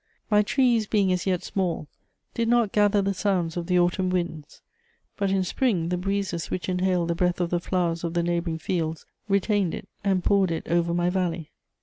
My trees, being as yet small, did not gather the sounds of the autumn winds; but, in spring, the breezes which inhaled the breath of the flowers of the neighbouring fields retained it and poured it over my valley.